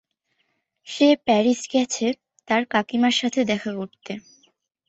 সে Paris গেছে তার কাকিমার সাথে দেখা করতে।